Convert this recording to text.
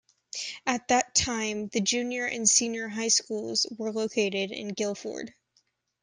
At that time the Junior and Senior High Schools were located in Gildford.